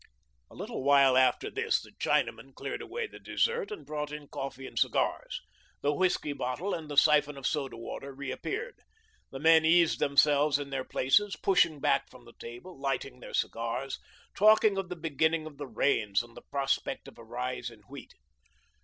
A little while after this the Chinaman cleared away the dessert and brought in coffee and cigars. The whiskey bottle and the syphon of soda water reappeared. The men eased themselves in their places, pushing back from the table, lighting their cigars, talking of the beginning of the rains and the prospects of a rise in wheat.